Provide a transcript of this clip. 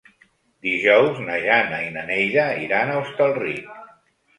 Dijous na Jana i na Neida iran a Hostalric.